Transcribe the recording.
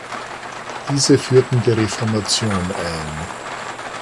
Diese führten die Reformation ein.